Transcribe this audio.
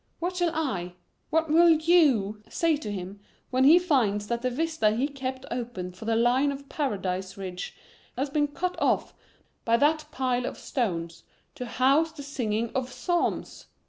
What shall I what will you say to him when he finds that the vista he kept open for the line of Paradise Ridge has been cut off by that pile of stones to house the singing of psalms?"